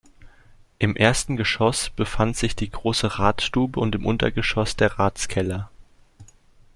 Im ersten Geschoss befand sich die große Ratsstube und im Untergeschoss der Ratskeller.